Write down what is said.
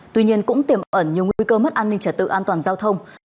tuy nhiên cũng tiềm ẩn nhiều nguy cơ mất an ninh trả tự an toàn giao thông